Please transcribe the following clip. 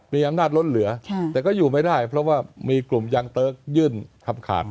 มีอำนาจล้นเหลือแต่ก็อยู่ไม่ได้เพราะว่ามีกลุ่มยังเติร์กยื่นคำขาด